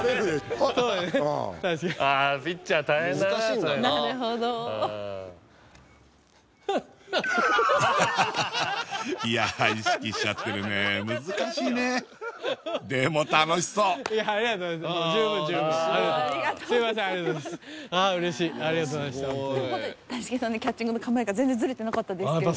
ホントに谷繁さんのキャッチングの構えが全然ズレてなかったんですけど